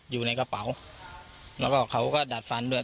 อยู่ในกระเป๋าแล้วก็เขาก็ดัดฟันด้วย